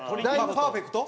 パーフェクト？